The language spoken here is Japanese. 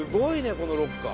このロッカー。